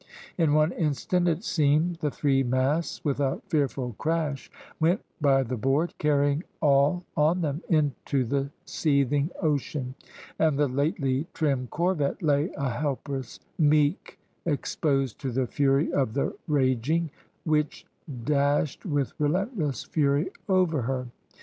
In one instant, it seemed, the three masts, with a fearful crash, went by the board, carrying all on them into the seething ocean; and the lately trim corvette lay a helpless meek, exposed to the fury of the raging which dashed with relentless fury over her.